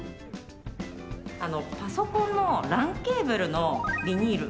パソコンのＬＡＮケーブルのビニール。